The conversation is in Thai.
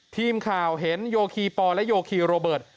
ทีมข่าวเห็นโยคีปอและโยคีโรเบิร์ต